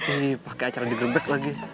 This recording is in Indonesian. ih pakai acara digrebek lagi